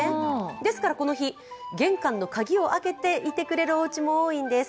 ですからこの日、玄関の鍵を開けておいてくれるおうちも多いんです。